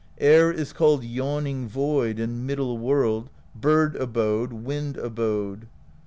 Air is called Yawning Void and MiddleWorld, Bird Abode, Wind Abode.